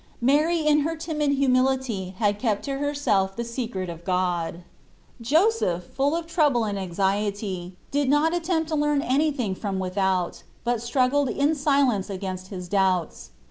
Mary in her timid humility had kept to herself the secret of God. Xorfc 3esus Christ. 29 Joseph, full of trouble and anxiety, did not attempt to learn anything from without, but struggled in silence against his doubts.